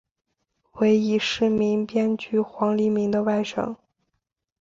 为已逝名编剧黄黎明的外甥。